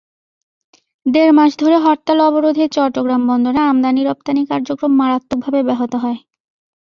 দেড় মাস ধরে হরতাল-অবরোধে চট্টগ্রাম বন্দরে আমদানি-রপ্তানি কার্যক্রম মারাত্মকভাবে ব্যাহত হয়।